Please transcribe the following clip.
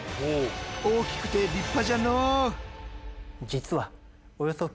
大きくて立派じゃのう。